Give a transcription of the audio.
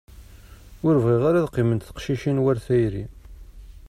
Ur bɣiɣ ara ad qqiment teqcicin war tayri.